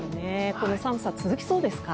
この寒さ続きそうですか？